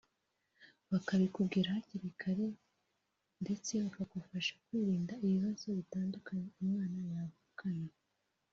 bakabikubwira hakiri kare ndetse bakagufasha kwirinda ibibazo bitandukanye umwana yavukana